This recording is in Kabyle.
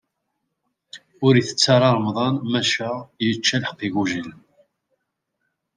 Ur itett ara remḍan, maca yečča lḥeqq igujilen.